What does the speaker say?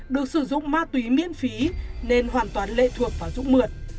được sử dụng ma túy miễn phí nên hoàn toàn lệ thuộc vào dũng mượt